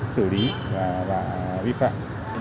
xử lý và vi phạm